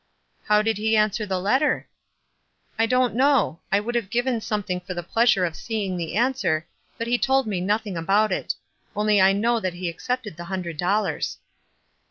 "How did he answer the letter?" "I don't know. I would have given some thing for the pleasure of seeing the answer, but he told me nothing about it ; only I know that he accepted the hundred dollars."